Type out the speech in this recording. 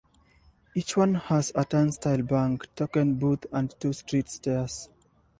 Each one has a turnstile bank, token booth, and two street stairs.